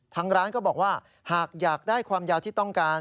ทางร้านก็บอกว่าหากอยากได้ความยาวที่ต้องการ